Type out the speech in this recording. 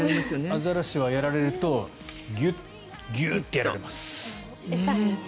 アザラシはやられるとギューッてやられます。